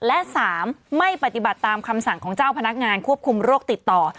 และ๓ไม่ปฏิบัติตามคำสั่งของเจ้าพนักงานควบคุมโรคติดต่อ